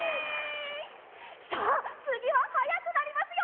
さあつぎははやくなりますよ！